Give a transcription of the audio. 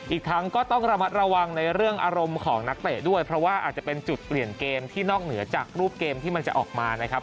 อีกทั้งก็ต้องระมัดระวังในเรื่องอารมณ์ของนักเตะด้วยเพราะว่าอาจจะเป็นจุดเปลี่ยนเกมที่นอกเหนือจากรูปเกมที่มันจะออกมานะครับ